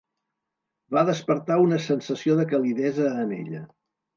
Va despertar una sensació de calidesa en ella.